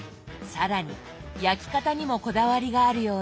更に焼き方にもこだわりがあるようで。